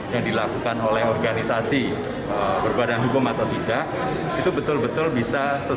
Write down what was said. yang dilakukan oleh organisasi berbadan hukum atau tidak itu betul betul bisa sesuai